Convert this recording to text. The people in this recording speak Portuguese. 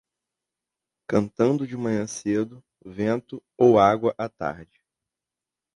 Cantando de manhã cedo, vento ou água à tarde.